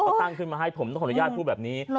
เขาตั้งขึ้นมาให้ผมต้องขออนุญาตพูดแบบนี้